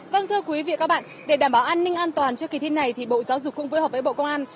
vâng thưa quý vị và các bạn để đảm bảo an ninh an toàn cho kỳ thi này thì bộ giáo dục cũng phối hợp với bộ công an